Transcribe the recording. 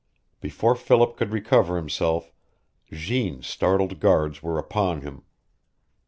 Before Philip could recover himself Jeanne's startled guards were upon him.